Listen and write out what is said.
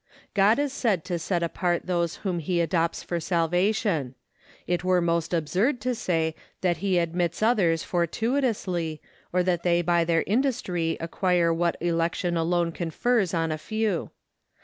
God is said to set apart those whom he adopts for salvation. It were most absurd to say that he admits others fortuitously, or that they by their industry acquire what election alone confers on a few.